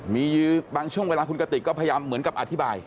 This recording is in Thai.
มีบางช่วงเวลาคุณกติกก็พยายามเหมือนกับอธิบาย